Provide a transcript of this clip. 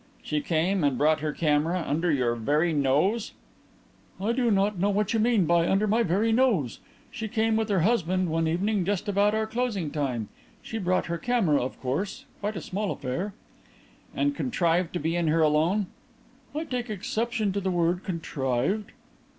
"She came, and brought her camera under your very nose!" "I do not know what you mean by 'under my very nose.' She came with her husband one evening just about our closing time. She brought her camera, of course quite a small affair." "And contrived to be in here alone?" "I take exception to the word 'contrived.'